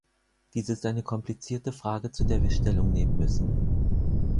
Dies ist eine komplizierte Frage, zu der wir Stellung nehmen müssen.